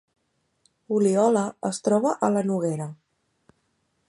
Oliola es troba a la Noguera